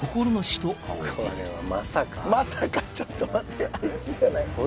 これはまさかまさかちょっと待ってあいつじゃない？